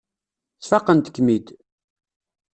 Sfaqent-kem-id.